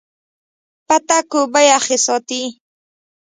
پتک اوبه یخې ساتي.